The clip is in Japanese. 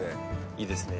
いいですね。